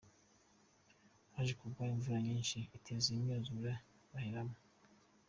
Haje kugwa imvura nyinshi iteza imyuzure baheramo.